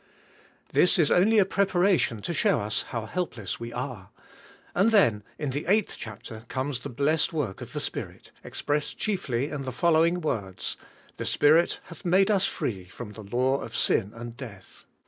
This is only a preparation to show us how helpless we are; and then in the eighth chapter comes the blessed work of the Spirit, expressed chiefly in the following words: "The Spirit hath made us free from the law of sin and death."